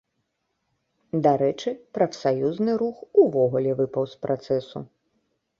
Дарэчы, прафсаюзны рух увогуле выпаў з працэсу.